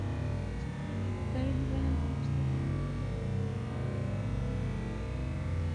جس کی دید و طلب وہم سمجھے تھے ہم رو بہ رو پھر سر رہ گزار آ گیا